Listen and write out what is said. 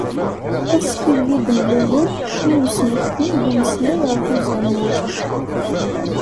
Ass ideg d-mlalen i usmekti d umeslay ɣef uzamul.